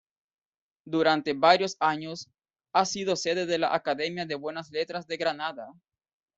Durante varios años, ha sido sede de la Academia de Buenas Letras de Granada.